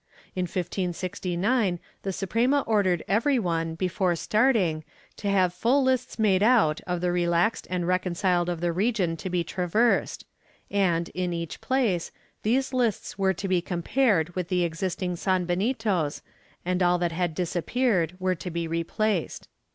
In 1569 the Suprema ordered every one, before starting, to have full lists made out of the relaxed and reconciled of the region to be traversed and, in each place, these lists were to be compared with the existing sanbenitos and all that had disappeared were to be replaced.